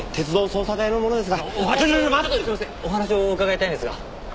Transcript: お話を伺いたいんですが。